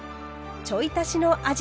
ちょい足しの味